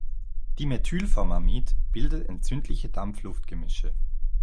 Dimethylformamid bildet entzündliche Dampf-Luft-Gemische.